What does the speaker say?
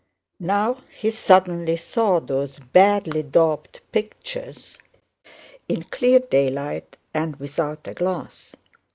Now he suddenly saw those badly daubed pictures in clear daylight and without a glass.